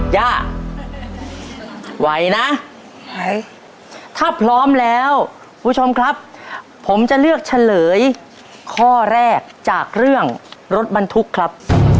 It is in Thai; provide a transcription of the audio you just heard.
ย่าไหวนะไหวถ้าพร้อมแล้วคุณผู้ชมครับผมจะเลือกเฉลยข้อแรกจากเรื่องรถบรรทุกครับ